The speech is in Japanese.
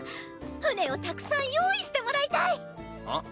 船をたくさん用意してもらいたい。あン？